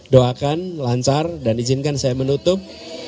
doakan lancar dan izinkan saya menutup